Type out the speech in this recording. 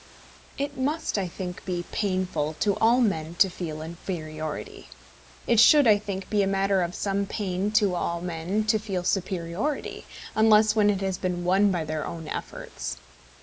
It must, I think, be painful to all men to feel inferiority. It should, I think, be a matter of some pain to all men to feel superiority, unless when it has been won by their own efforts.